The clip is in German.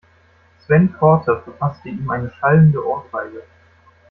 Sven Korte verpasste ihm eine schallende Ohrfeige.